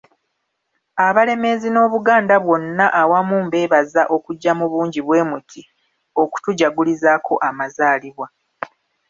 ‘Abalemeezi n’Obuganda bwonna awamu mbeebaza okujja mu bungi bwemuti okutujagulizaako amazaalibwa.